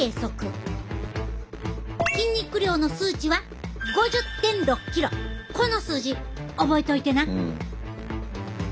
筋肉量の数値はこの数字覚えといてな。